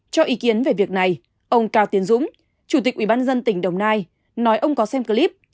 cho ý kiến về việc này ông cao tiến dũng chủ tịch ubnd tỉnh đồng nai nói ông có xem clip